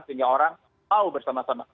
sehingga orang mau bersama sama